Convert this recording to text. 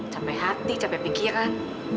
capek hati capek pikiran